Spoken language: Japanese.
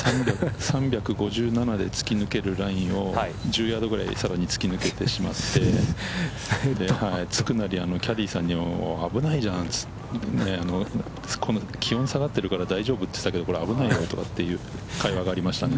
３５７で突き抜けるラインを１０ヤードぐらいさらに突き抜けてしまって、つくなりキャディーさんに、危ないじゃんって、この下がってるから大丈夫とか言ってたけど、これ、危ないよとかという会話がありましたね。